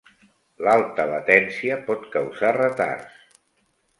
L'alta latència pot causar retards.